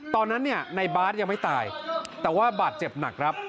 ตอนนั้นเนี่ยในบาร์ดยังไม่ตายแต่ว่าบาดเจ็บหนักครับ